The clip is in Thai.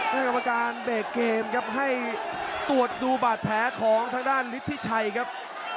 กรรมการเบรกเกมครับให้ตรวจดูบาดแผลของทางด้านฤทธิชัยครับ